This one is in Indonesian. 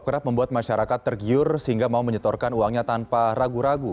kerap membuat masyarakat tergiur sehingga mau menyetorkan uangnya tanpa ragu ragu